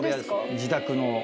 自宅の。